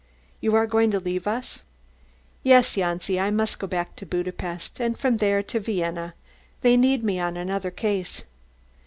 You are going to leave us?" "Yes, Janci, I must go back to Budapest, and from there to Vienna. They need me on another case."